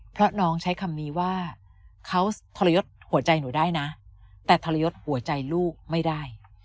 เพราะน้องใช้คำนี้ว่าเขาทรยศหัวใจหนูได้นะแต่ทรยศหัวใจลูกไม่ได้